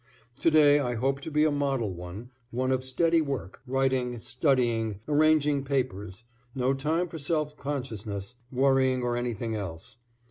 To day I hope to be a model one, one of steady work, writing, studying, arranging papers; no time for self consciousness, worrying or anything else.